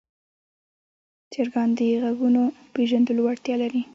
چرګان د غږونو پېژندلو وړتیا لري.